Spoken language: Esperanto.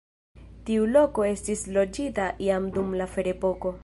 Tiu loko estis loĝita jam dum la ferepoko.